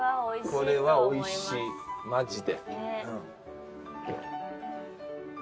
これはおいしいマジで。